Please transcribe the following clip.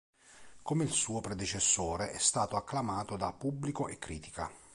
Come il suo predecessore, è stato acclamato da pubblico e critica.